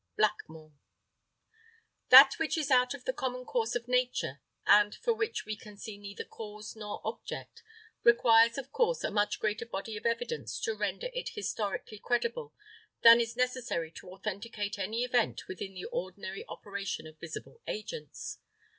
Blackmore. That which is out of the common course of nature, and for which we can see neither cause nor object, requires of course a much greater body of evidence to render it historically credible than is necessary to authenticate any event within the ordinary operation of visible agents.